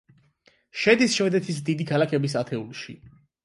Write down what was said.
შედის შვედეთის დიდი ქალაქების ათეულში.